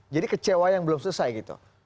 jadi kecewa yang belum selesai gitu